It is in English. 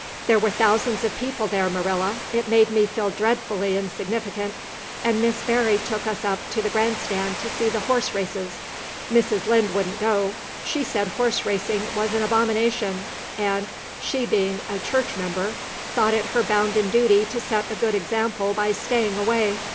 There were thousands of people there, Marilla. It made me feel dreadfully insignificant. And Miss Barry took us up to the grandstand to see the horse races. Mrs. Lynde wouldn't go; she said horse racing was an abomination and, she being a church member, thought it her bounden duty to set a good example by staying away.